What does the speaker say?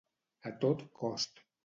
A tot cost.